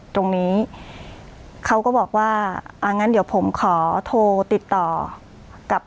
ตรงนี้เขาก็บอกว่าอ่างั้นเดี๋ยวผมขอโทรติดต่อกับ